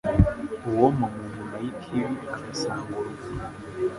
uwoma mu nyuma y’ikibi agasanga urupfu